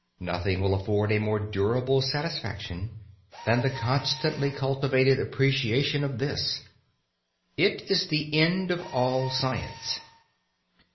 Nothing will afford a more durable satisfaction than the constantly cultivated appreciation of this. It is the end of all science.